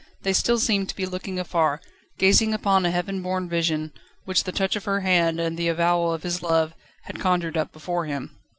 They still seemed to be looking afar, gazing upon a heaven born vision, which the touch of her hand and the avowal of his love had conjured up before him.